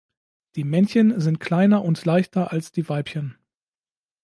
Die Männchen sind kleiner und leichter als die Weibchen.